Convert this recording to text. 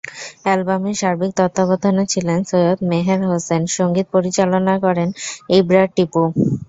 অ্যালবামের সার্বিক তত্ত্বাবধানে ছিলেন সৈয়দ মেহের হোসেন, সংগীত পরিচালনা করেন ইবরার টিপু।